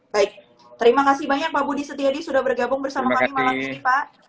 baik terima kasih banyak pak budi setiadi sudah bergabung bersama kami malam ini pak